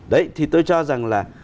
đấy thì tôi cho rằng là